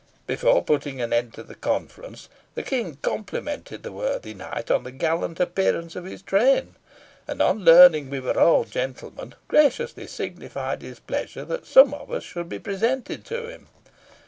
Before putting an end to the conference, the King complimented the worthy Knight on the gallant appearance of his train, and on learning we were all gentlemen, graciously signified his pleasure that some of us should be presented to him.